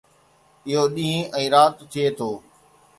اهو ڏينهن ۽ رات ٿئي ٿو